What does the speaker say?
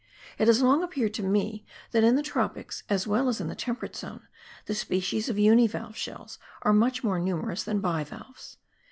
It has long appeared to me that in the tropics as well as in the temperate zone the species of univalve shells are much more numerous than bivalves.